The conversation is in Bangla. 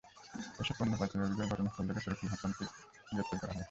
এসব পণ্য পাচারের অভিযোগে ঘটনাস্থল থেকে শরিফুল হোসেনকে গ্রেপ্তার করা হয়।